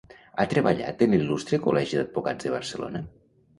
Ha treballat en l'Il·lustre Col·legi d'Advocats de Barcelona?